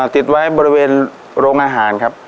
ติดไว้บริเวณโรงอาหารครับ